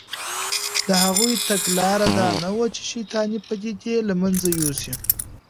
د هغوی تګلاره دا نه وه چې شیطانې پدیدې له منځه یوسي